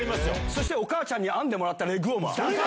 そしてお母ちゃんに編んでもらった。